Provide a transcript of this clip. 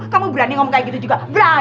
kamu berani ngomong kayak gitu juga berani